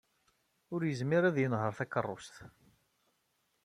Ur yezmir ad yenheṛ takeṛṛust.